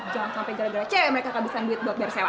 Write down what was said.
jangan sampai gara gara cewek mereka kehabisan duit buat biar sewa